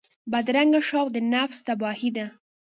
بدرنګه شوق د نفس تباهي ده